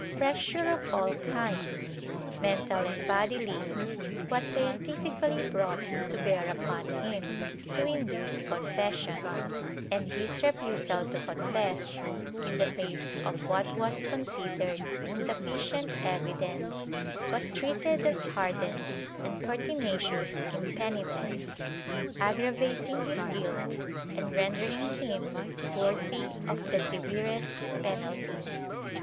Pressure of all kinds, mental and bodily, was scientifically brought to bear upon him to induce confession, and his refusal to confess, in the face of what was considered sufficient evidence, was treated as hardened and pertinacious impenitence, aggravating his guilt and rendering him worthy of the severest penalty.